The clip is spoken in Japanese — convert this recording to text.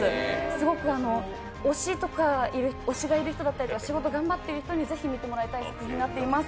すごく推しがいる人だったりとか仕事頑張っている人にぜひ見てもらいたい作品になっています。